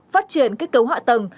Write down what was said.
phát triển kết cấu họa tầng